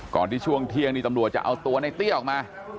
ที่ช่วงเที่ยงนี่ตำรวจจะเอาตัวในเตี้ยออกมา